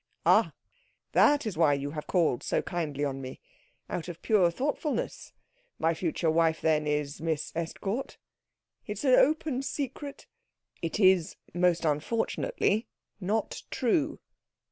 "Ah that is why you have called so kindly on me? Out of pure thoughtfulness. My future wife, then, is Miss Estcourt?" "It is an open secret." "It is, most unfortunately, not true."